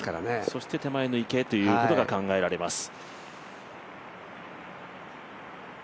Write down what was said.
そして手前の池ということが考えられます。